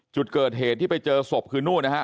จุดเกิดเหตุที่ไปเจอศพคือนู่นนะฮะ